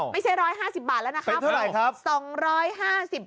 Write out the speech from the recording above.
ไม่ใช่๑๕๐บาทแล้วนะครับเท่าไหร่ครับ